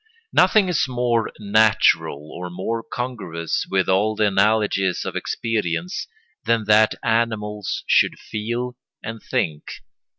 ] Nothing is more natural or more congruous with all the analogies of experience than that animals should feel and think.